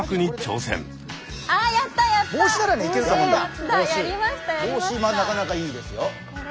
ぼうしはなかなかいいですよ。